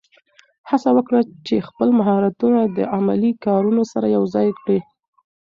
هڅه وکړه چې خپل مهارتونه د عملي کارونو سره یوځای کړې.